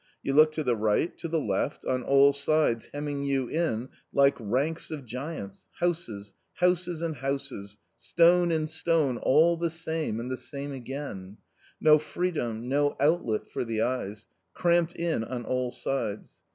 You look to the right, to the left — on all sides/nemming you in like ranks of giants, houses, houses and houses, stone and stone, all the same and the same again ; no freedom, no ; outlet for the eyes ; cramped in on all sides.